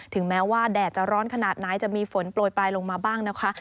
ถึงแม้ว่าแดดจะร้อนขนาดไหนจะมีฝนโปรยปลายลงมาบ้างนะคะ